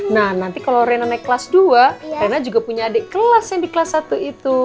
nah nanti kalau rena naik kelas dua rena juga punya adik kelas yang di kelas satu itu